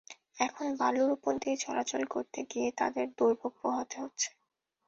এখন বালুর ওপর দিয়ে চলাচল করতে গিয়ে তাদের দুর্ভোগ পোহাতে হচ্ছে।